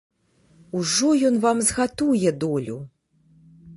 Ужо ён вам згатуе долю!